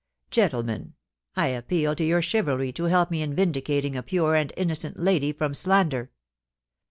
Gentlemen, I appeal to your chivalry to help me in vindicating a pure and innocent lady from slander.